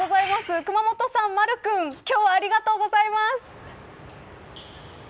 熊本さん、まる君今日はありがとうございます。